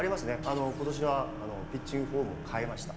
今年はピッチングフォームを変えました。